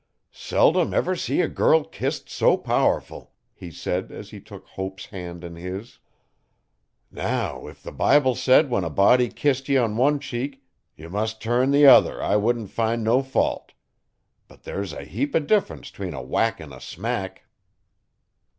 'Seldom ever see a girl kissed so powerful,' he said as he took Hope's hand in his. 'Now if the Bible said when a body kissed ye on one cheek ye mus' turn if other I wouldn't find no fault. But ther's a heap o differ'nce 'tween a whack an' a smack.